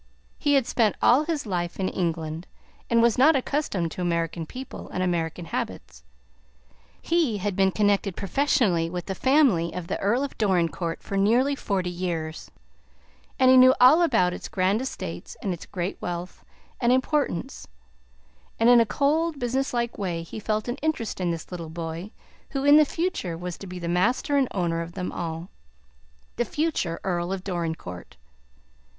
He had spent all his life in England, and was not accustomed to American people and American habits. He had been connected professionally with the family of the Earl of Dorincourt for nearly forty years, and he knew all about its grand estates and its great wealth and importance; and, in a cold, business like way, he felt an interest in this little boy, who, in the future, was to be the master and owner of them all, the future Earl of Dorincourt.